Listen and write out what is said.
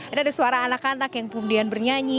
ini ada suara anak anak yang pundian bernyanyi